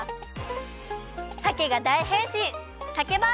さけがだいへんしん！